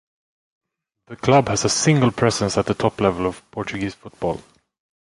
The club has a single presence at the top level of Portuguese football.